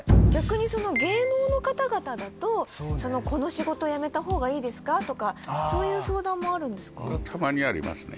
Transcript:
逆にその芸能の方々だとこの仕事やめた方がいいですか？とかそういう相談もあるんですか？